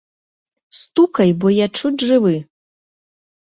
Стукай, бо я чуць жывы!